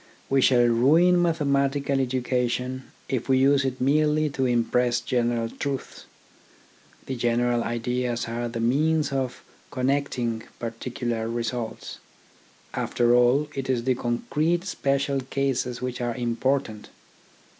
We shall ruin mathematical education if we use it merely to impress general truths. The general ideas are the means of connecting particular results. After all, it is the concrete special cases which are important.